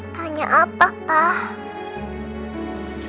tanya apa pak